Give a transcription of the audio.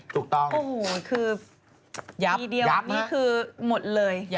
ถูกต้องโอ้โหคือยับยับหรือเปล่านี่คือหมดเลย